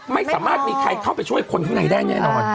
ไม่สามารถมีใครเข้าไปช่วยคนข้างในได้แน่นอน